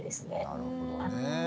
なるほどね。